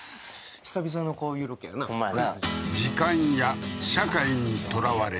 久々のこういうロケやな